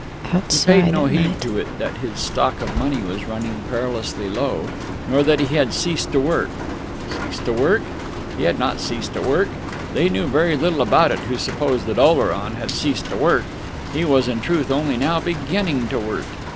He paid no heed to it that his stock of money was running perilously low, nor that he had ceased to work. Ceased to work? He had not ceased to work. They knew very little about it who supposed that Oleron had ceased to work! He was in truth only now beginning to work.